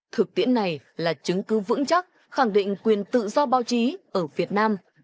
thực tiễn này là chứng cứ vững chắc khẳng định quyền tự do báo chí ở việt nam